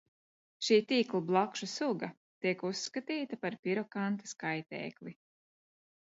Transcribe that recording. Šī tīklblakšu suga tiek uzskatīta par pirokantas kaitēkli.